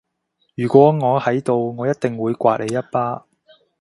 如果我喺度我一定會摑你一巴